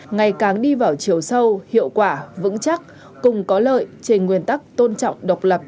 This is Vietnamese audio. ngày càng đi vào chiều sâu hiệu quả vững chắc cùng có lợi trên nguyên tắc tôn trọng độc lập